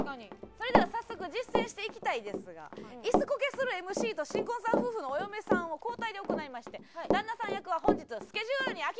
それでは早速実践していきたいですが椅子コケするＭＣと新婚さん夫婦のお嫁さんを交代で行いまして旦那さん役は本日スケジュールに空きがありました